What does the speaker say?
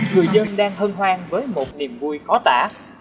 người dân đang hân hoan với một niềm vui khó tả